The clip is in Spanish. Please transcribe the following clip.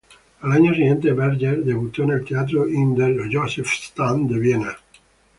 Al año siguiente, Berger debutó en el Teatro in der Josefstadt de Viena.